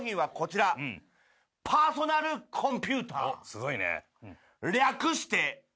すごいね。